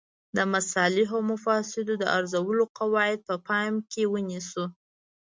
د مصالحو او مفاسدو د ارزولو قواعد په پام کې ونیسو.